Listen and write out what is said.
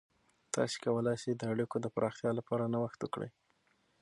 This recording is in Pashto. تاسې کولای سئ د اړیکو د پراختیا لپاره نوښت وکړئ.